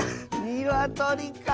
にわとりか。